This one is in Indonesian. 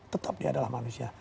tetap dia adalah manusia